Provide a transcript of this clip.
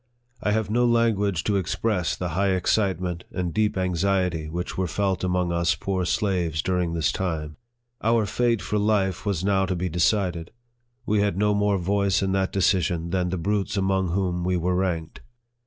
I have no language to express the high excitement and deep anxiety which were felt among us poor slaves during this time. Our fate for life was now to be decided. We had no more voice in that decision than the brutes among whom we were ranked.